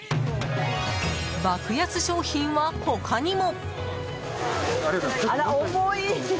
爆安商品は他にも。